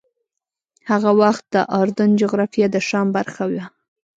هغه وخت د اردن جغرافیه د شام برخه وه.